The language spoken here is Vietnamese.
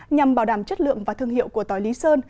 nhằm bảo đảm chất lượng và thương hiệu của tỏi lý sơn